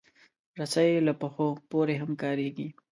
رسۍ له پښو پورې هم کارېږي.